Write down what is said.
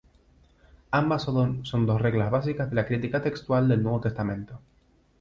Ambas son las dos reglas básicas de la crítica textual del Nuevo Testamento.